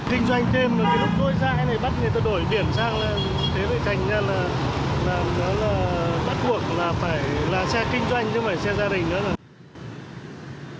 kinh doanh thêm là cái lúc tôi ra cái này bắt người ta đổi biển sang thế này thành ra là bắt buộc là phải là xe kinh doanh chứ không phải xe gia đình nữa